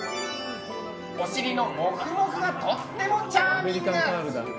お尻のモフモフがとてもチャーミング！